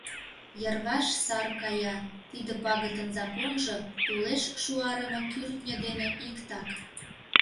Йырваш сар кая, тиде пагытын законжо тулеш шуарыме кӱртньӧ дене иктак.